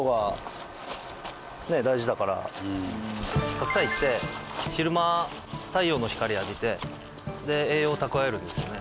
白菜って昼間太陽の光浴びて栄養を蓄えるんですよね。